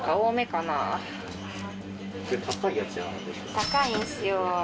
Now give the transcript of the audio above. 高いんすよ。